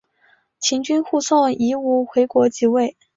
秦军护送夷吾回国即位。